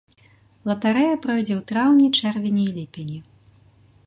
Латарэя пройдзе ў траўні, чэрвені і ліпені.